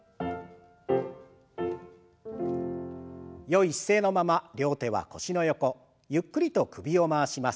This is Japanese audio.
よい姿勢のまま両手は腰の横ゆっくりと首を回します。